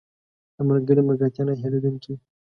• د ملګري ملګرتیا نه هېریدونکې وي.